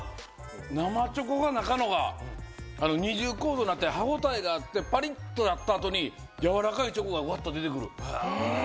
生チョコが中のが二重構造になって歯応えがあってパリっとなった後に軟らかいチョコがわっと出てくる。